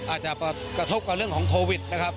อาจจะกระทบกับเรื่องของโควิดนะครับ